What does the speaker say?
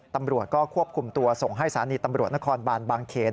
ตำรวจก็ควบคุมตัวส่งให้สถานีตำรวจนครบานบางเขน